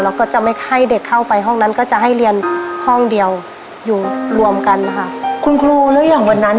เราก็จะไม่ให้เด็กเข้าไปห้องนั้นก็จะให้เรียนห้องเดียวอยู่รวมกันค่ะ